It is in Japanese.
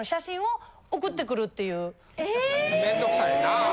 面倒くさいなぁ。